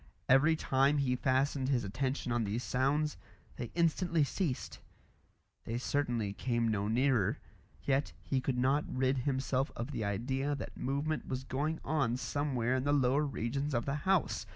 Every time he fastened his attention on these sounds, they instantly ceased. They certainly came no nearer. Yet he could not rid himself of the idea that movement was going on somewhere in the lower regions of the house.